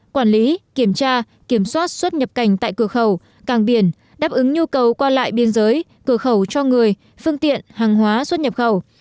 quản lý kiểm tra kiểm soát xuất nhập cảnh tại cửa khẩu càng biển đáp ứng nhu cầu qua lại biên giới cửa khẩu cho người phương tiện hàng hóa xuất nhập khẩu